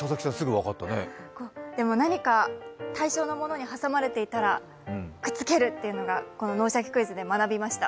何か対象のものに挟まれたらくっつけるというのをこの「脳シャキ！クイズ」で学びました。